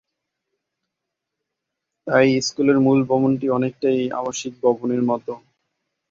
তাই স্কুলের মূল ভবনটি অনেকটাই আবাসিক ভবনের মতো।